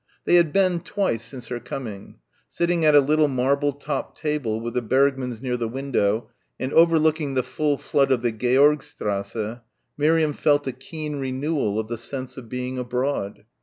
They had been twice since her coming. Sitting at a little marble topped table with the Bergmanns near the window and overlooking the full flood of the Georgstrasse Miriam felt a keen renewal of the sense of being abroad.